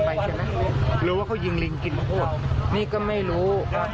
ไปใช่ไหมหรือว่าเขายิงลิงกินข้าวโทรน่ะมีก็ไม่รู้